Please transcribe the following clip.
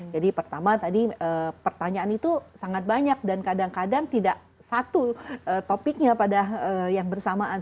jadi pertama tadi pertanyaan itu sangat banyak dan kadang kadang tidak satu topiknya pada hal ini